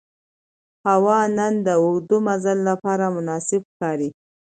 هوا نن د اوږده مزل لپاره مناسبه ښکاري